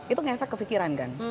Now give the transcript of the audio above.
itu ngefek kefikiran kan